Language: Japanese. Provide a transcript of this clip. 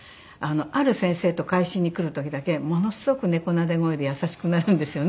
ある先生と回診に来る時だけものすごく猫なで声で優しくなるんですよね。